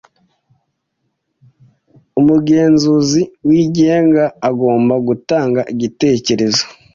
Umugenzuzi wigenga agomba gutanga igitekerezo